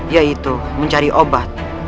yaitu mencari obat